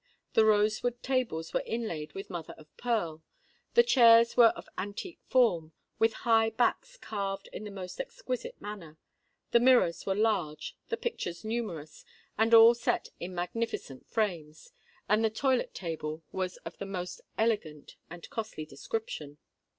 The rosewood tables were inlaid with mother of pearl: the chairs were of antique form, with high backs carved in the most exquisite manner;—the mirrors were large, the pictures numerous, and all set in magnificent frames;—and the toilette table was of the most elegant and costly description.